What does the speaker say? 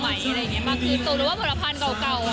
สมมัยคือตัวจุดว่าผลพันธ์เก่าอะ